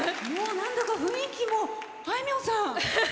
なんだか雰囲気もあいみょんさん。